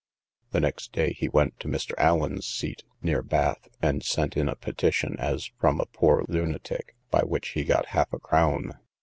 The next day he went to Mr. Allen's seat, near Bath, and sent in a petition as from a poor lunatic, by which he got half a crown.